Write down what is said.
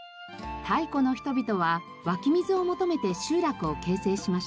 太古の人々は湧き水を求めて集落を形成しました。